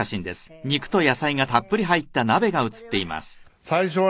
最初はね